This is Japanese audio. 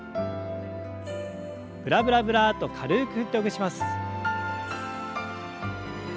ブラブラブラッと軽く振ってほぐします。